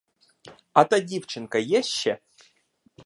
А та дівчинка є ще?